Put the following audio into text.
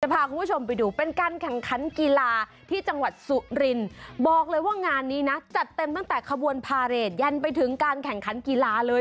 พาคุณผู้ชมไปดูเป็นการแข่งขันกีฬาที่จังหวัดสุรินบอกเลยว่างานนี้นะจัดเต็มตั้งแต่ขบวนพาเรทยันไปถึงการแข่งขันกีฬาเลย